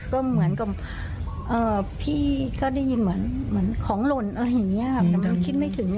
ก็เหมือนกลับอ่อพี่ก็ได้ยินเหมือนเหมือนของหล่นอะไรอย่างเนี่ยมันคิดไม่ถึง